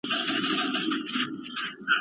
استاد یوازې د مسودي لومړۍ بڼه ګوري.